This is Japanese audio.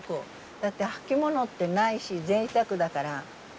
だって履き物ってないしぜいたくだから。